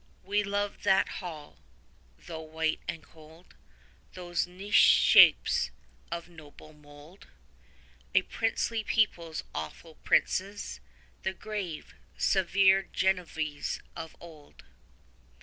We loved that hall, tho' white and cold, Those nichèd shapes of noble mould, A princely people's awful princes, The grave, severe Genovese of old.